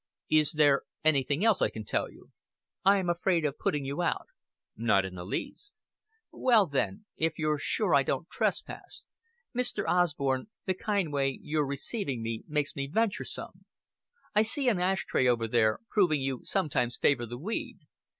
"Is there anything else I can tell you?" "I am afraid of putting you out." "Not in the least." "Well, then, if you're sure I don't trespass Mr. Osborn, the kind way you're receiving me makes me venturesome. I see an ash tray over there, proving you sometimes favor the weed.